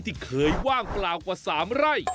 ที่เคยว่างเปล่ากว่า๓ไร่